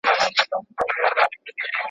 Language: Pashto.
ګټور کتابونه د عقل دروازې پرانیزي.